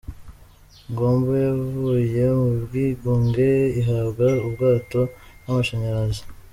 Nkombo yavuye mu bwigunge ihabwa ubwato n’amashanyarazi .